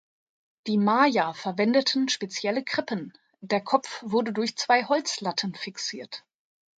Die Maya verwendeten spezielle Krippen, der Kopf wurde durch zwei Holzlatten fixiert.